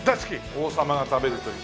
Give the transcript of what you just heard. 王様が食べるという。